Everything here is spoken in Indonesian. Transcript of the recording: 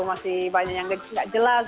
masih banyak yang tidak jelas